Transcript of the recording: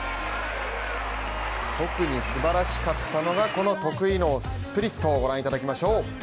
特にすばらしかったのが得意のスピリットをご覧いただきましょう。